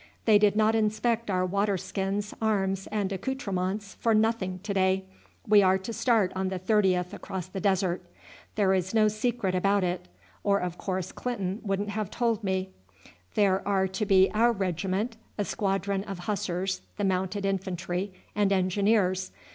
They did not inspect our water skins, arms, and accoutrements for nothing to day. We are to start on the 30th across the desert. There is no secret about it, or of course Clinton wouldn't have told me. There are to be our regiment, a squadron of Hussars, the Mounted Infantry, and Engineers.